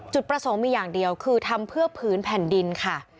จุดประสงค์มีอย่างเดียวคือทำเพื่อผืนแผ่นดินค่ะ